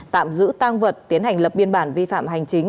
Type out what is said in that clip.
tạm giữ tăng vật tiến hành lập biên bản vi phạm hành chính